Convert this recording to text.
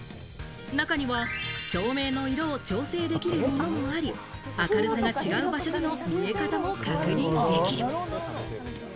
中には照明の色を調整できるものもあり、明るさが違う場所での見え方も確認できる。